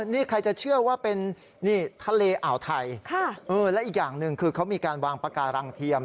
นี่ใครจะเชื่อว่าเป็นนี่ทะเลอ่าวไทยและอีกอย่างหนึ่งคือเขามีการวางปาการังเทียม